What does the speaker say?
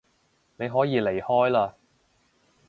你可以離開嘞